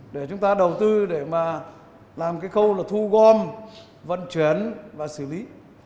để chúng ta đầu tư để mà làm cái câu thu gom vận chuyển và xử lý